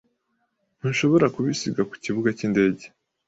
Ntushobora kubisiga ku kibuga cyindege.